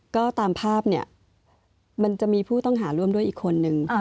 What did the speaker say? ก็ตามภาพเนี่ยมันจะมีผู้ต้องหาร่วมด้วยอีกคนนึง